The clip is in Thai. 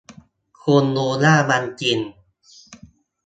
คุณรู้ ว่ามันจริง !